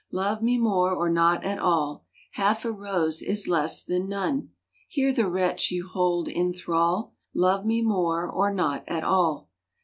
Love me more or not at all, Half a rose is less than none; Hear the wretch you hold in thrall! Love me more or not at all!